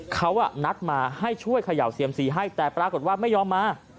เขานัดมาให้ช่วยเขย่าเซียมซีให้แต่ปรากฏว่าไม่ยอมมา